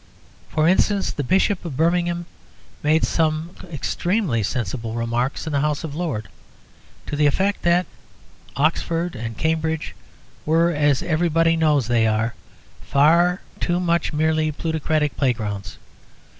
For instance, the Bishop of Birmingham made some extremely sensible remarks in the House of Lords, to the effect that Oxford and Cambridge were (as everybody knows they are) far too much merely plutocratic playgrounds.